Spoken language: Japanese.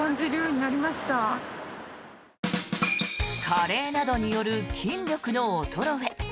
加齢などによる筋力の衰え。